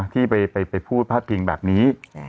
ที่ไปพูดพาดพิงแบบนี้